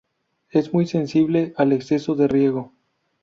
Es muy sensible al exceso de riego.